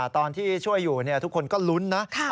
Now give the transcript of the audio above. ตอนที่ช่วยอยู่ทุกคนก็ลุ้นนะ